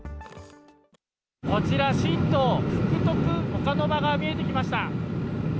こちら、新島、福徳岡ノ場が見えてきました。